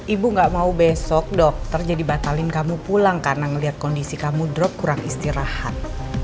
ibu gak mau besok dokter jadi batalin kamu pulang karena melihat kondisi kamu drop kurang istirahat